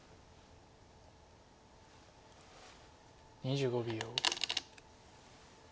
２５秒。